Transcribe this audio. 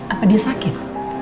apa dia sakit